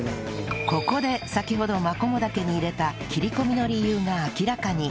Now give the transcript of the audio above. ここで先ほどマコモダケに入れた切り込みの理由が明らかに